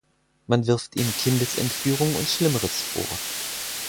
Man wirft ihm Kindesentführung und Schlimmeres vor.